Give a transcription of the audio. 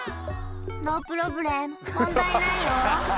「ノープロブレム問題ないよ」